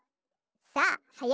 さあはや